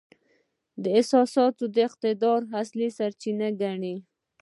دا احساسات د اقتدار اصلي سرچینه ګڼي.